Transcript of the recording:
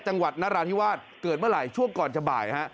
นราธิวาสเกิดเมื่อไหร่ช่วงก่อนจะบ่ายฮะ